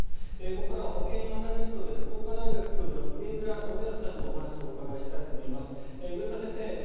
ここからは保険アナリストで福岡大学教授の植村信保さんにもお話をお伺いしたいと思います。